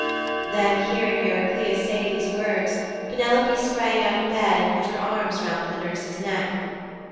Then hearing Eurycleia say these words, Penelope sprang out of bed and put her arms round the nurse's neck.